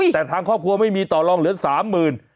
แต่ทางครอบครัวไม่มีต่อลองเหลือ๓๐๐๐บาท